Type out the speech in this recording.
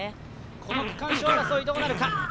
この区間賞争い、どうなるか。